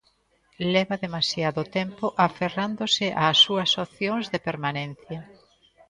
Leva demasiado tempo aferrándose ás súas opcións de permanencia.